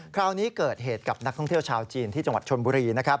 คราวนี้เกิดเหตุกับนักท่องเที่ยวชาวจีนที่จังหวัดชนบุรีนะครับ